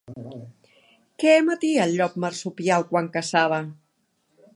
Què emetia el llop marsupial quan caçava?